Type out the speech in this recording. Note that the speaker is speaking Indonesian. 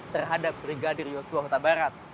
terhadap brigadir yosua huta barat